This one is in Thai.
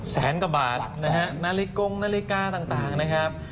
แสนกว่าบาทนะฮะนาฬิกงนาฬิกาต่างนะครับ